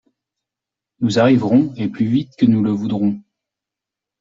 Nous arriverons, et plus vite que nous ne le voudrons.